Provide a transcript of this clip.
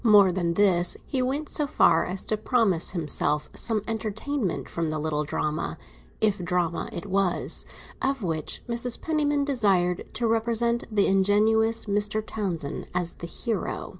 More than this, he went so far as to promise himself some entertainment from the little drama—if drama it was—of which Mrs. Penniman desired to represent the ingenious Mr. Townsend as the hero.